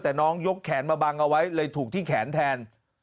แต่น้องยกแขนมาบังเอาไว้เลยถูกที่แขนแทน